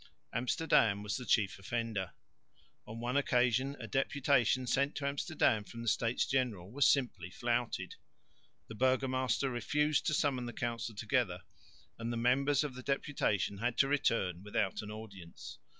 Amsterdam was the chief offender. On one occasion a deputation sent to Amsterdam from the States General was simply flouted. The burgomaster refused to summon the council together, and the members of the deputation had to return without an audience.